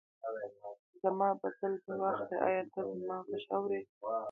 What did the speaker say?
زما بدل به واخلي، ایا ته زما غږ اورې؟